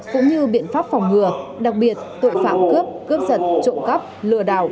cũng như biện pháp phòng ngừa đặc biệt tội phạm cướp cướp giật trộm cắp lừa đảo